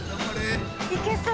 行けそう。